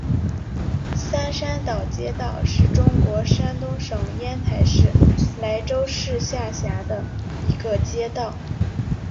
三山岛街道是中国山东省烟台市莱州市下辖的一个街道。